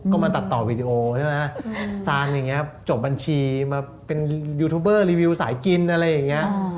ก็มาตัดต่อวีดีโอใช่ไหมซานอย่างนี้จบบัญชีมาเป็นยูทูบเบอร์รีวิวสายกินอะไรอย่างนี้